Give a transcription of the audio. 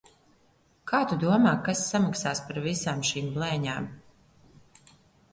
Kā tu domā, kas samaksās par visām šīm blēņām?